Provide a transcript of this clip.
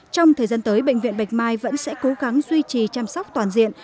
trong thời gian tới bệnh viện bạch mai vẫn sẽ cố gắng duy trì chăm sóc toàn diện